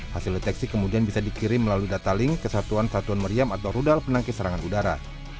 hasil deteksi kemudian bisa dikirim melalui data link ke satuan satuan meriam atau rudal penangkis serangan udara